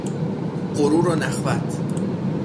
غرور و نخوت